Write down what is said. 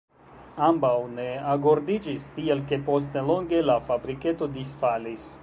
Ambaŭ ne agordiĝis, tiel ke post nelonge la fabriketo disfalis.